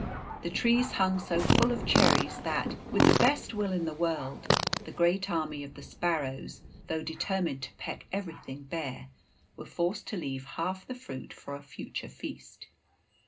The trees hung so full of cherries that, with the best will in the world, the great army of the sparrows, though determined to peck everything bare, were forced to leave half the fruit for a future feast.